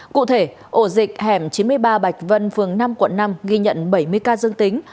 cụ thể ổ dịch hẻm chín mươi ba bạch vân phường năm quận năm ghi nhận bảy mươi ca dương tính